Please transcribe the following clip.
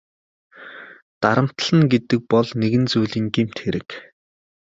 Дарамтална гэдэг бол нэгэн зүйлийн гэмт хэрэг.